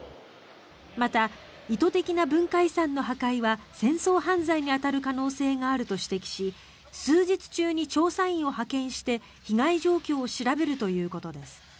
また、意図的な文化遺産の破壊は戦争犯罪に当たる可能性があると指摘し数日中に調査員を派遣して被害状況を調べるということです。